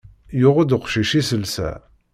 Yuɣ-d uqcic iselsa.